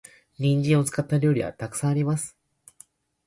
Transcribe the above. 人参を使った料理は沢山あります。